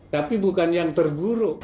tapi bukan yang terburuk